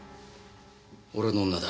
俺の女だ。